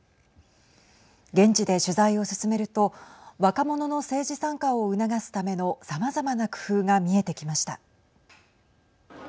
現地で取材を進めると若者の政治参加を促すためのさまざまな工夫が見えてきました。